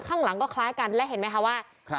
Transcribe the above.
ข้างหลังก็คล้ายกันและเห็นไหมคะว่า